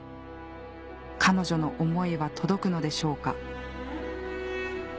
彼女の思いは届くのでしょうか？